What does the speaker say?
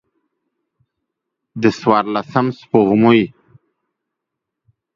د څوارلسم سپوږمۍ